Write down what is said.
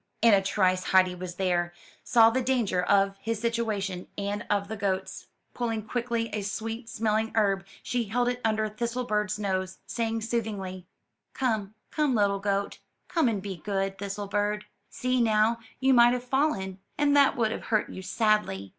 In a trice Heidi was there, saw the danger of his situation and of the goat's. Pulling quickly a sweet smelHng herb, she held it under Thistlebird's nose, saying soothingly, '*Come, come, little goat; come and be good, Thistlebird. See, now, you might have fallen, and that would have hurt you sadly.